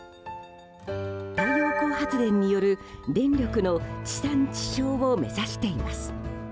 太陽光発電による、電力の地産地消を目指しています。